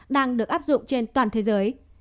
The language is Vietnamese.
đang được áp dụng trên toàn thế giới